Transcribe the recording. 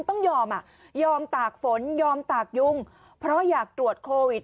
ต้องยอมอ่ะยอมตากฝนยอมตากยุงเพราะอยากตรวจโควิด